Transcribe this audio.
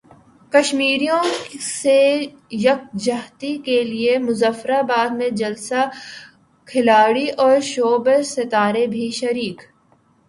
کشمیریوں سے یکجہتی کیلئے مظفر اباد میں جلسہ کھلاڑی اور شوبز ستارے بھی شریک